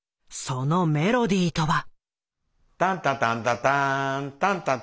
そのメロディーとは。